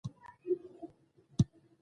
زموږ ډله یې کېنز اروپا نومي هوټل ته وسپارله.